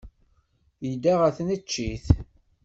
Yedda ɣer tneččit.